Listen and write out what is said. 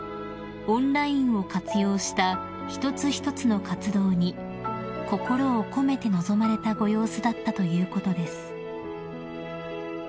オンラインを活用した一つ一つの活動に心を込めて臨まれたご様子だったということです］